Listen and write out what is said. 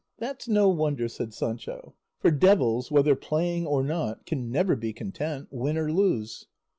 "That's no wonder," said Sancho; "for devils, whether playing or not, can never be content, win or lose."